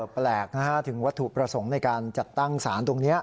แปลกถึงวัตถุประสงค์ในการจัดตั้งสารตรงนี้